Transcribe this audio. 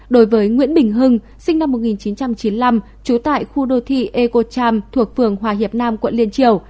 đối với nguyễn bình hưng sinh năm một nghìn chín trăm chín mươi năm trú tại khu đô thị ecocham thuộc phường hòa hiệp nam quận liên triều